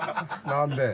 「何で？」